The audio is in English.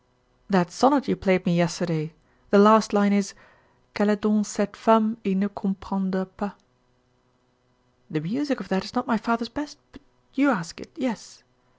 "That sonnet you played me yesterday. The last line is, '"Quelle est donc cette femme?" et ne comprenda pas.'" "The music of that is not my father's best but you ask it, yes."